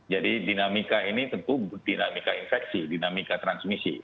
jadi dinamika ini tentu dinamika infeksi dinamika transmisi